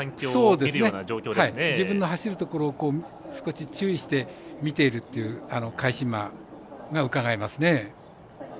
自分の走るところを少し注意して見ているという返し馬がうかがえますね。